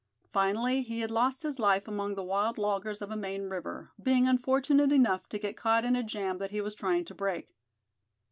Finally he had lost his life among the wild loggers of a Maine river; being unfortunate enough to get caught in a jam that he was trying to break.